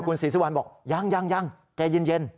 คุณศรีสุวรรณบอกยังยังยังแกเย็น